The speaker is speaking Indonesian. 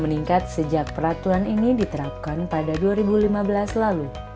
meningkat sejak peraturan ini diterapkan pada dua ribu lima belas lalu